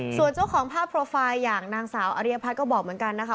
ส่วนเจ้าของภาพโปรไฟล์อย่างนางสาวอริยพัฒน์ก็บอกเหมือนกันนะคะ